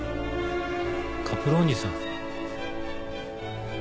カプローニさん。